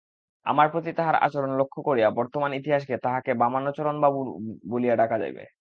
আমার প্রতি তাঁহার আচরণ লক্ষ্য করিয়া বর্তমান ইতিহাসে তাঁহাকে বামাচরণবাবু বলিয়া ডাকা যাইবে।